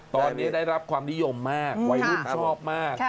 ตอนนี้ได้รับความนิยมมากวัยรุ่นชอบมาก